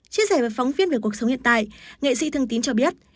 chia sẻ với phóng viên về cuộc sống hiện tại nghệ sĩ thương tín cho biết